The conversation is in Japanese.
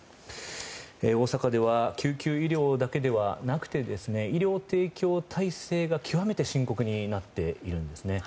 大阪では救急医療だけではなくて医療提供体制が極めて深刻になっているんです。